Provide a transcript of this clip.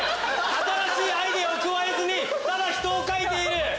新しいアイデアを加えずにただ人を描いている。